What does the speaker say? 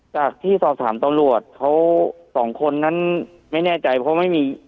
จากที่สอบถามตำรวจเขาสองคนนั้นไม่แน่ใจเพราะไม่มี